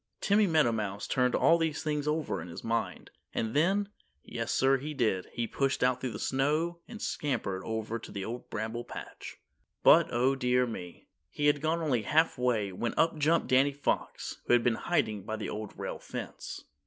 Timmy Meadowmouse turned all these things over in his mind, and then yes, sir, he did he pushed out through the snow and scampered over to the Old Bramble Patch. But, oh dear me. He had gone only half way when up jumped Danny Fox, who had been hiding by the Old Rail Fence.